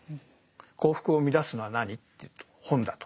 「幸福を生み出すのは何？」っていうと本だと。